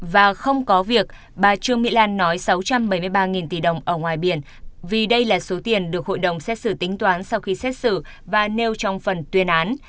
và không có việc bà trương mỹ lan nói sáu trăm bảy mươi ba tỷ đồng ở ngoài biển vì đây là số tiền được hội đồng xét xử tính toán sau khi xét xử và nêu trong phần tuyên án